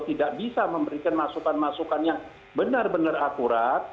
tidak bisa memberikan masukan masukan yang benar benar akurat